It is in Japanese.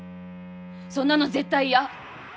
そんなの絶対嫌。